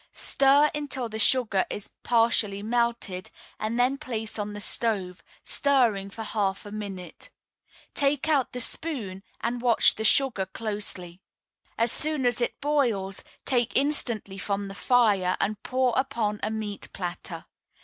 Stir until the sugar is partially melted, and then place on the stove, stirring for half a minute. Take out the spoon, and watch the sugar closely. As soon as it boils, take instantly from the fire and pour upon a meat platter.